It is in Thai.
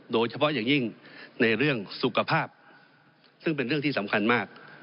โดยเฉพาะอย่างยิ่งในเรื่องสุขภาพซึ่งเป็นเรื่องที่สำคัญมาก